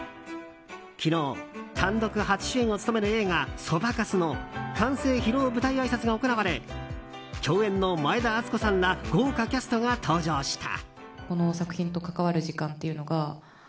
昨日、単独初主演を務める映画「そばかす」の完成披露舞台あいさつが行われ共演の前田敦子さんら豪華キャストが登場した。